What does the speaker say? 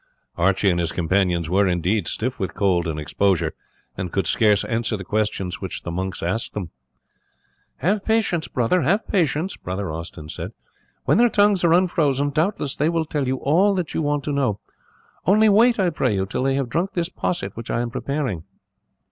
Archie and his companions were, indeed, stiff with cold and exposure, and could scarce answer the questions which the monks asked them. "Have patience, brother! have patience!" brother Austin said. "When their tongues are unfrozen doubtless they will tell you all that you want to know. Only wait, I pray you, till they have drunk this posset which I am preparing."